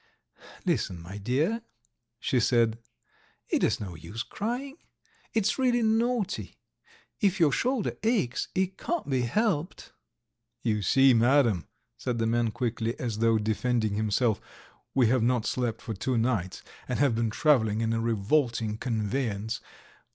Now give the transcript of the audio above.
"Listen, my dear," she said, "it is no use crying. It's really naughty; if your shoulder aches it can't be helped." "You see, Madam," said the man quickly, as though defending himself, "we have not slept for two nights, and have been travelling in a revolting conveyance.